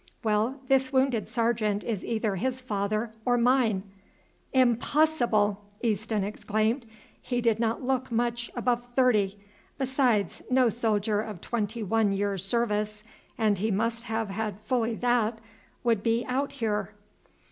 Well, this wounded sergeant is either his father or mine." "Impossible!" Easton exclaimed; "he did not look much above thirty; besides, no soldier of twenty one years' service and he must have had fully that would be out here."